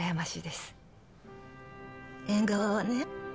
縁側はね